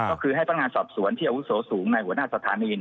ก็คือให้พนักงานสอบสวนที่อาวุโสสูงในหัวหน้าสถานี